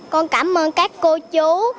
con cảm ơn các cô chú